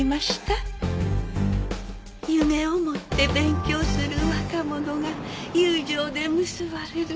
夢を持って勉強する若者が友情で結ばれる。